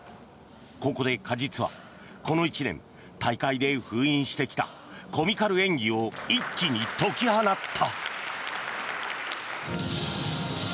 ここで鹿実はこの１年、大会で封印してきたコミカル演技を一気に解き放った。